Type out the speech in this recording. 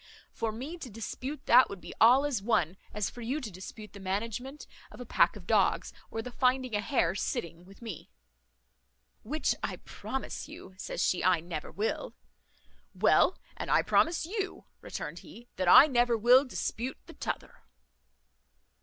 For me to dispute that would be all as one as for you to dispute the management of a pack of dogs, or the finding a hare sitting, with me." "Which I promise you," says she, "I never will." "Well, and I promise you," returned he, "that I never will dispute the t'other."